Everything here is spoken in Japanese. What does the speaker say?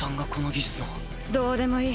どうでもいい。